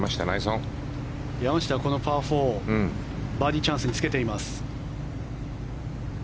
山下はこのパー４バーディーチャンスにつけています。